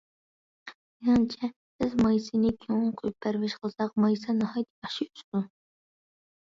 مېنىڭچە، بىز مايسىنى كۆڭۈل قويۇپ پەرۋىش قىلساق، مايسا ناھايىتى ياخشى ئۆسىدۇ.